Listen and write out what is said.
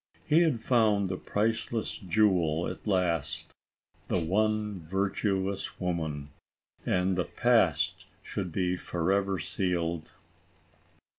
He had found the priceless jewel at last, "the one virtuous woman," and the past should be forever sealed.